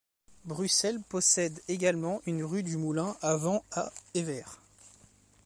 Bruxelles possède également une rue du Moulin à Vent à Evere.